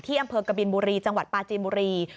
ที่อำเภอกบิลบุรีจังหวัดปาจิบุรี